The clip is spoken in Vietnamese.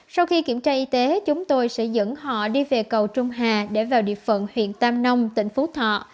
sau khi kiểm tra y tế chúng tôi sẽ dẫn họ đi về cầu trung hà để vào địa phận huyện tam nông tỉnh phú thọ